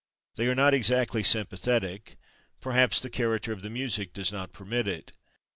They are not exactly sympathetic; perhaps the character of the music does not permit it.